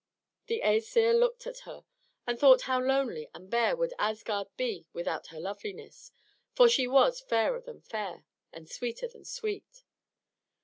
The Asir looked at her and thought how lonely and bare would Asgard be without her loveliness; for she was fairer than fair, and sweeter than sweet.